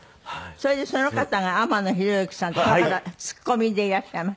それでその方が天野ひろゆきさんでこの方ツッコミでいらっしゃいます。